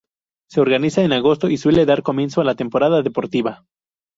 Se organiza en agosto y suele dar comienzo a la temporada deportiva.